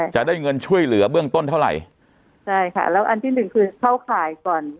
จะได้เงินช่วยเหลือเบื้องต้นเท่าไหร่ใช่ค่ะแล้วอันที่หนึ่งคือเข้าข่ายก่อน